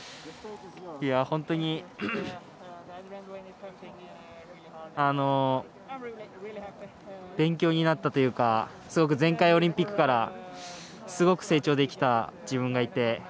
本当に勉強になったというか前回オリンピックからすごく成長できた自分がいて。